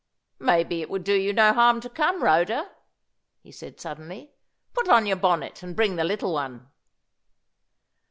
"Maybe it would do you no harm to come, Rhoda," he said, suddenly. "Put on your bonnet, and bring the little one."